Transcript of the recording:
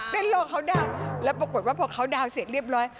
โลกเขาดาวน์แล้วปรากฏว่าพอเขาดาวนเสร็จเรียบร้อย